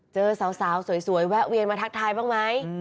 เจอสาวสวยแวะเวียนมาทักทายบ้างไหม